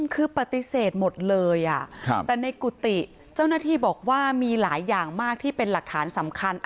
คือปฏิเสธหมดเลยแต่ในกุฏิเจ้าหน้าที่บอกว่ามีหลายอย่างมากที่เป็นหลักฐานสำคัญ